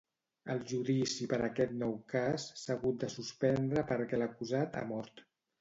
El judici per aquest nou cas s'ha hagut de suspendre perquè l'acusat ha mort.